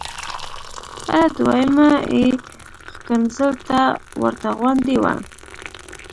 هره دویمه یې ښکنځل ته ورته غوندې وه.